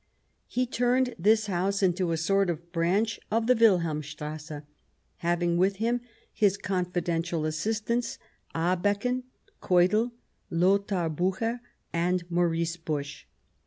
He turned this house into a sort of branch of the Wilhelmstrasse, having with him his confidential assistants, Abeken, Keudell, Lothar Bucher, and Maurice Busch.